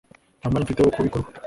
Nta mwanya mfite wo kubikora ubu